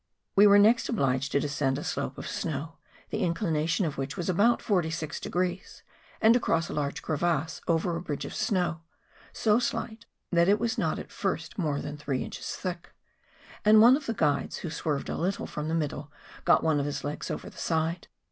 We were next obliged to descend a slope of snow, the inclination of which was about forty six degrees, and to cross a large crevasse over a bridge of snow so slight that it was not at first more than three inches thick; and on 3 of the guides who swerved a little from the middle, got one of his legs over the side.